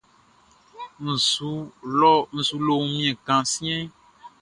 E su lo wunmiɛn kan siɛnʼn.